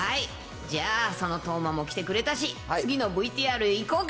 じゃあ、その斗真も来てくれたし、次のＶＴＲいこうか。